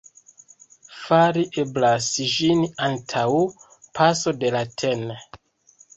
Fari eblas ĝin antaŭ paso de la tn.